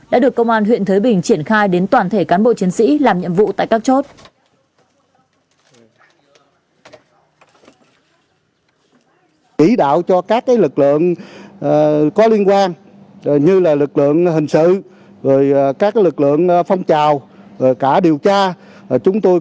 đã được công an huyện thới bình triển khai đến toàn thể cán bộ chiến sĩ làm nhiệm vụ tại các chốt